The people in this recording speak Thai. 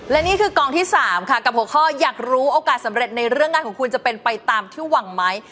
และนี่คือกองที่สามค่ะกับหัวข้ออยากรู้โอกาสสำเร็จของคุณเป็นไปตามที่คุณที่หวังไหม